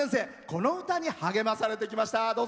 この歌に励まされてきました。